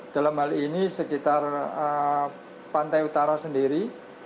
dalam hal ini sekitar pantai utara sendiri